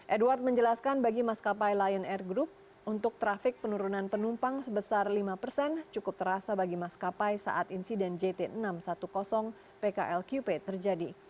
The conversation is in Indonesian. edward menjelaskan bagi maskapai lion air group untuk trafik penurunan penumpang sebesar lima persen cukup terasa bagi maskapai saat insiden jt enam ratus sepuluh pklqp terjadi